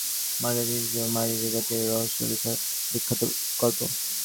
মার্গ চোরাই চিঠি এবং মারি রোগেতের রহস্য বিখ্যাত গল্প।